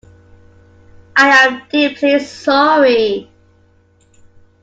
I am deeply sorry.